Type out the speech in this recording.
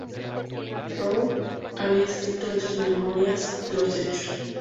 Roth había escrito en sus memorias "Los hechos.